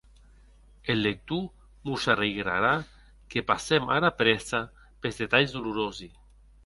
Eth lector mos arregraïrà que passem ara prèssa pes detalhs dolorosi.